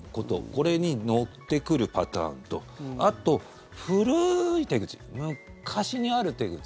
これに乗ってくるパターンとあと、古い手口昔にある手口。